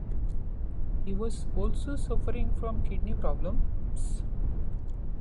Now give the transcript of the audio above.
He was also suffering from kidney problems.